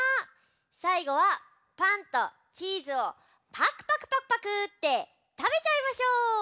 さいごはパンとチーズをパクパクパクパクってたべちゃいましょう！